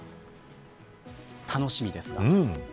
楽しみですね。